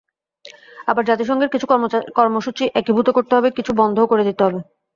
আবার জাতিসংঘের কিছু কর্মসূচি একীভূত করতে হবে, কিছু বন্ধও করে দিতে হবে।